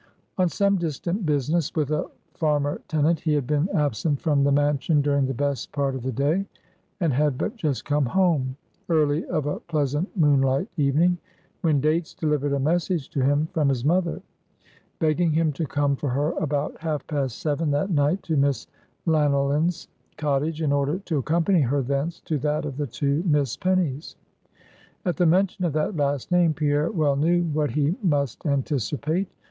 On some distant business, with a farmer tenant, he had been absent from the mansion during the best part of the day, and had but just come home, early of a pleasant moonlight evening, when Dates delivered a message to him from his mother, begging him to come for her about half past seven that night to Miss Llanyllyn's cottage, in order to accompany her thence to that of the two Miss Pennies. At the mention of that last name, Pierre well knew what he must anticipate.